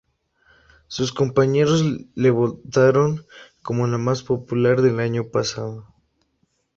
Sus compañeros le votaron como la más popular del año pasado.